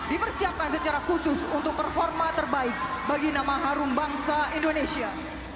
dipersiapkan secara khusus untuk performa terbaik bagi nama harum bangsa indonesia